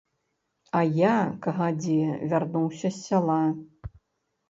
А я кагадзе вярнуўся з сяла.